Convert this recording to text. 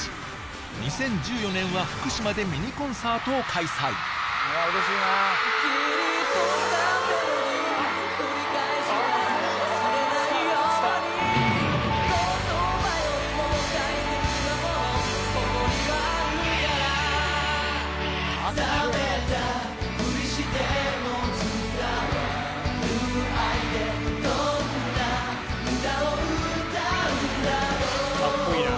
２０１４年は福島でミニコンサートを開催カッコいいな。